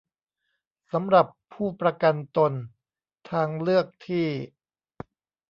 สำหรับผู้ประกันตนทางเลือกที่